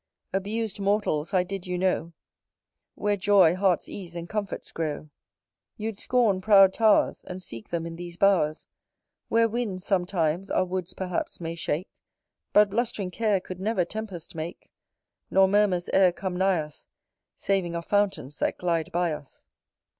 Abused mortals I did you know Where joy, heart's ease, and comforts grow, You'd scorn proud towers, And seek them in these bowers; Where winds, sometimes, our woods perhaps may shake, But blust'ring care could never tempest make, Nor murmurs e'er come nigh us, Saving of fountains that glide by us.